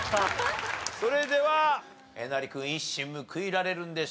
それではえなり君一矢報いられるんでしょうか？